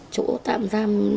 chỗ tạm giam